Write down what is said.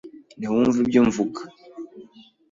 Ntiwumva ibyo mvuga.